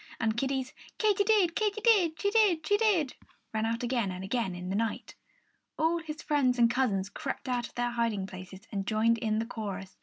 And Kiddie's Katy did, Katy did; she did, she did rang out again and again in the night. All his friends and cousins crept out of their hiding places and joined in the chorus.